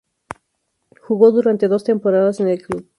Jugó durante dos temporadas en el club.